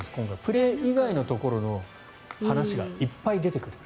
プレー以外のところの話がいっぱい出てくる。